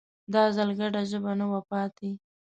دا ځل ګډه ژبه نه وه پاتې